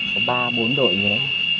có ba bốn đội vậy đấy